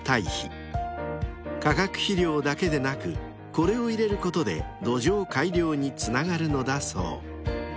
［科学肥料だけでなくこれを入れることで土壌改良につながるのだそう］